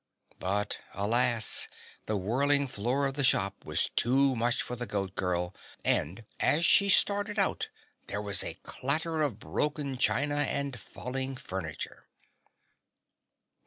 But alas, the whirling floor of the shop was too much for the Goat Girl and as she started out there was a clatter of broken china and falling furniture.